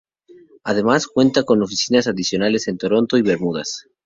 Además, cuenta con oficinas adicionales en Toronto y Bermudas.